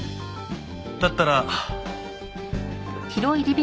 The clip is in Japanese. だったら。